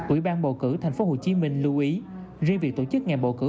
ủy ban bầu cử thành phố hồ chí minh lưu ý riêng việc tổ chức ngày bầu cử